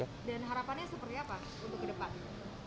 dan harapannya seperti apa untuk ke depan